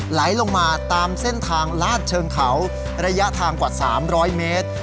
ไหลลงมาตามเส้นทางลาดเชิงเขาระยะทางกว่า๓๐๐เมตร